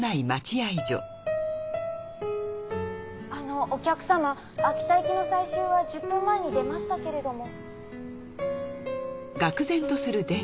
あのお客様秋田行きの最終は１０分前に出ましたけれども。